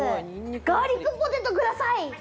ガーリックポテトください！